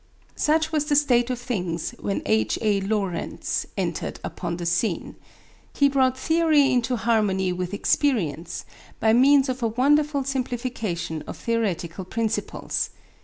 Such was the state of things when H. A. Lorentz entered upon the scene. He brought theory into harmony with experience by means of a wonderful simplification of theoretical principles.